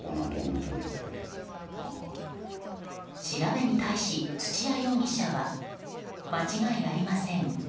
調べに対し、土屋容疑者は間違いありません。